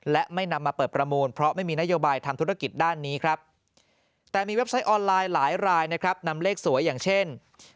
เลขสวยอย่างเช่น๘๘๘๘